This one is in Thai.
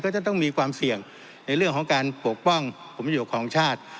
จะต้องมีความเสี่ยงในเรื่องของการปกป้องผลประโยชน์ของชาติ